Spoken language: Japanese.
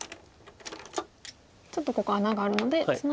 ちょっとここ穴があるのでツナぎますと。